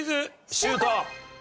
シュート！